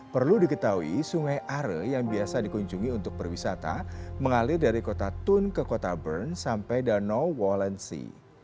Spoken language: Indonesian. perlu diketahui sungai are yang biasa dikunjungi untuk berwisata mengalir dari kota thun ke kota bern sampai danau wallency